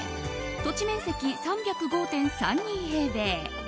土地面積３０５．３２平米。